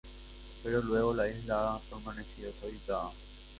Pero luego, la isla ha permanecido deshabitada.